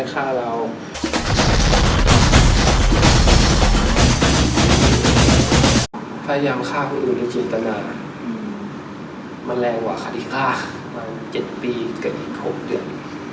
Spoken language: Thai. พยายามฆ่าคนอื่นในชีวิตตะกราบด้านหลังถึงละ๗ปีกะอีก๖เดือน